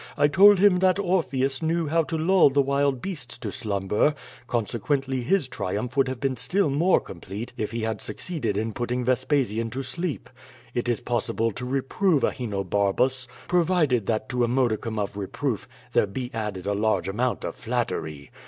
I told him that Orpheus knew how to lull the wild beasts to slum ber— consequently his triumph would have been still more complete if he had succeeded in putting Vespasian to sleep. It is possible to reprove Ahenobarbus, provided that to a modicum of reproof there be added a large amount of flattery.